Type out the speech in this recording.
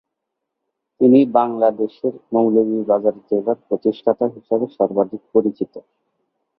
তিনি বাংলাদেশের মৌলভীবাজার জেলার প্রতিষ্ঠাতা হিসেবে সর্বাধিক পরিচিত।